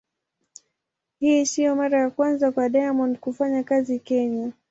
Hii sio mara ya kwanza kwa Diamond kufanya kazi Kenya.